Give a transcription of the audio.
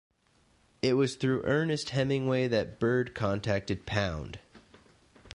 It was through Ernest Hemingway that Bird contacted Pound.